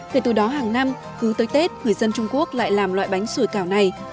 kể từ đó hàng năm cứ tới tết người dân trung quốc lại làm loại bánh sủi cảo này